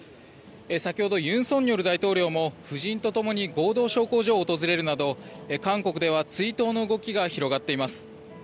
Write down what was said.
先ほど、尹錫悦大統領も夫人とともに合同焼香所を訪れるなど韓国では追悼の動きが広がっています。